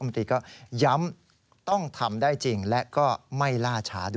ร้านมนตรีก็ย้ำต้องทำได้จริงและก็ไม่ล่าช้า